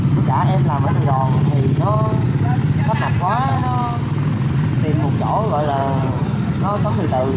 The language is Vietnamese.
cứ cả em làm ở sài gòn thì nó khắp mặt quá nó tìm một chỗ gọi là nó sống từ từ